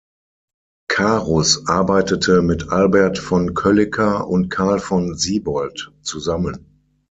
Carus arbeitete mit Albert von Kölliker und Carl von Siebold zusammen.